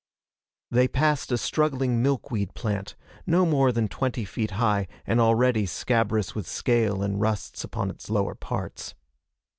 They passed a struggling milkweed plant, no more than twenty feet high and already scabrous with scale and rusts upon its lower parts.